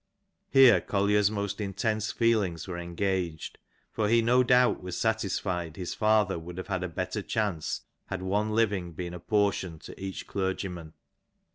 Here CoUier^s most intense feelings were engaged, for he, no doubt, was satisfied his father, would have had a better chance had one living been apportioned to each clergyman.